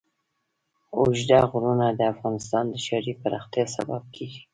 اوږده غرونه د افغانستان د ښاري پراختیا سبب کېږي.